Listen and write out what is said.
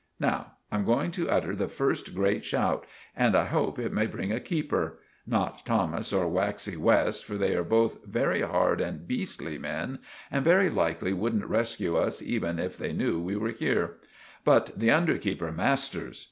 Now, I'm going to utter the first grate shout, and I hope it may bring a keeper—not Thomas or Waxy West, for they are both very hard and beestly men, and very likely wouldn't rescue us even if they new we were here; but the under keeper, Masters.